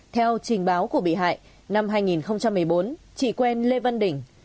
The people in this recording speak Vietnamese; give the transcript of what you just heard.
theo trình báo của bị hại năm hai nghìn một mươi bốn chị quen lê văn đỉnh